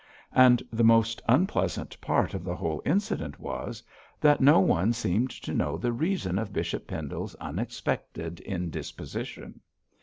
And the most unpleasant part of the whole incident was, that no one seemed to know the reason of Bishop Pendle's unexpected indisposition.